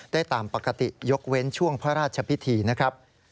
ได้ตามปกติยกเว้นช่วงพระราชพิธีนะครับ